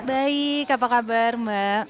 baik apa kabar mbak